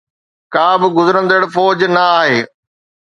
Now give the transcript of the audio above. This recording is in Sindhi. ڪا به گذرندڙ فوج نه آهي.